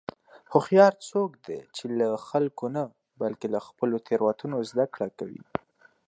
هوښیار څوک دی چې له خلکو نه، بلکې له خپلو تېروتنو زدهکړه کوي.